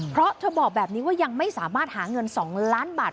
เพราะเธอบอกแบบนี้ว่ายังไม่สามารถหาเงิน๒ล้านบาท